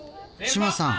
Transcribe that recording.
志麻さん